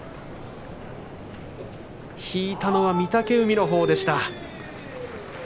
引いたのは御嶽海のほうでした。